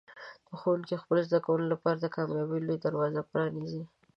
ښوونکي د خپلو زده کوونکو لپاره د کامیابۍ لوی دروازه پرانیزي.